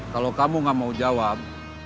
kalau kamu gak mau jawab